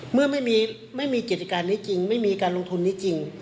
เมื่อไม่มีกิจการนี้จริงไม่มีการลงทุนนี้จริง